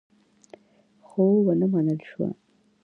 خو ونه منل شوه.